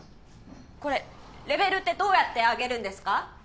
これレベルってどうやって上げるんですか？